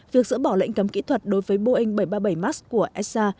việc dỡ bỏ lệnh cấm kỹ thuật đối với boeing bảy trăm ba mươi bảy max của esa